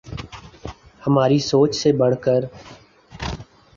ہماری سوچ سے بڑھ کر